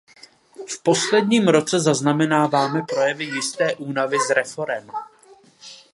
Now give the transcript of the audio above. V posledním roce zaznamenáváme projevy jisté únavy z reforem.